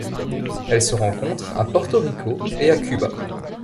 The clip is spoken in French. Elles se rencontrent à Porto Rico et à Cuba.